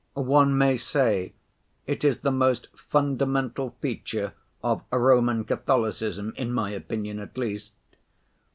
One may say it is the most fundamental feature of Roman Catholicism, in my opinion at least.